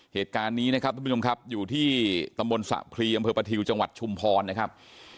เหตุการณ์นี้นะครับทุกผู้ชมครับอยู่ที่ตำบลสะพรีอำเภอประทิวจังหวัดชุมพรนะครับ